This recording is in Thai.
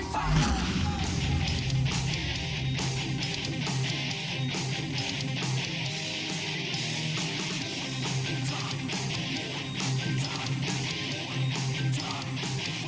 กิตติชาย